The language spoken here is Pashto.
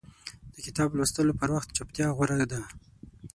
د کتاب لوستلو پر وخت چپتیا غوره ده.